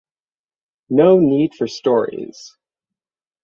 No need for stories.